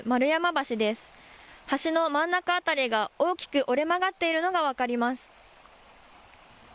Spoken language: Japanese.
橋の真ん中辺りが大きく折れ曲がっているのが分かります。